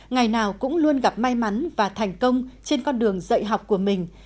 ngày nào cũng luôn gặp may mắn và thành công trên con đường dạy học của mình